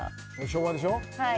昭和でしょ？